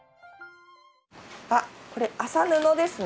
あこれ麻布ですね。